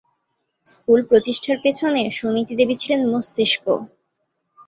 School প্রতিষ্ঠার পেছনে সুনীতি দেবী ছিলেন মস্তিষ্ক।